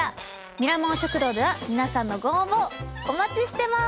ミラモン食堂では皆さんのご応募お待ちしてます。